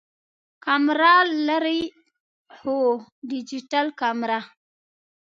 کمره لرئ؟ هو، ډیجیټل کمره